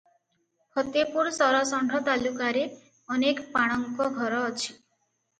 ଫତେପୁର ସରଷଣ୍ତ ତାଲୁକାରେ ଅନେକ ପାଣଙ୍କ ଘର ଅଛି ।